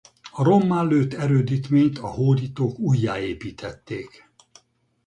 A rommá lőtt erődítményt a hódítók újjáépítették.